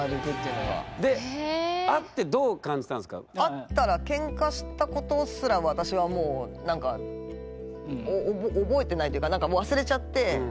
会ったらケンカしたことすら私はもう覚えてないというかなんかもう忘れちゃって。